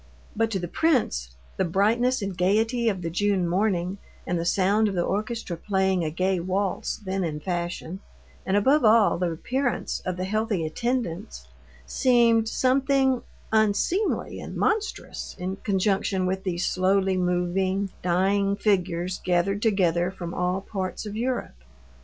But to the prince the brightness and gaiety of the June morning, and the sound of the orchestra playing a gay waltz then in fashion, and above all, the appearance of the healthy attendants, seemed something unseemly and monstrous, in conjunction with these slowly moving, dying figures gathered together from all parts of Europe.